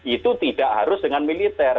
itu tidak harus dengan militer